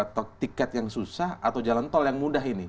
atau tiket yang susah atau jalan tol yang mudah ini